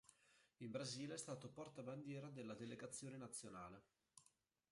In Brasile è stato portabandiera della delegazione nazionale.